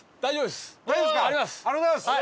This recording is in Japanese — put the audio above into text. ありがとうございます。